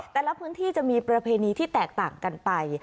แต่ละพื้นที่จะมีประเพณีที่แตกต่างกันไป